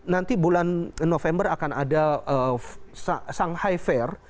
nanti bulan november akan ada shanghai fair